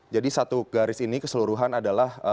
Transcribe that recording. jadi satu garis ini keseluruhan adalah